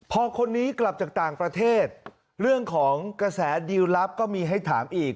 พอคนนี้กลับจากต่างประเทศเรื่องของกระแสดิวลลับก็มีให้ถามอีก